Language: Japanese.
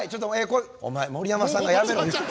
お前盛山さんが「やめろ」言うてる。